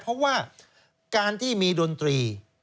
เพราะว่าการที่มีดนตรี